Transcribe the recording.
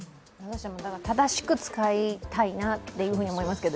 正しく使いたいなと思いますけど。